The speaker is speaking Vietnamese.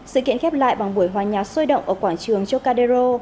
sự kiện khép lại bằng vùi hòa nhạc sươi động ở quảng trường chocadero